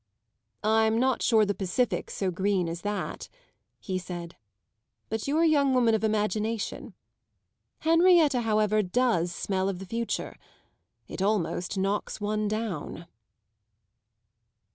"I'm not sure the Pacific's so green as that," he said; "but you're a young woman of imagination. Henrietta, however, does smell of the Future it almost knocks one down!"